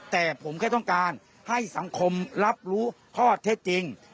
แต่ผมแค่ต้องการให้สังคมรับรู้ข้อเท็จจริง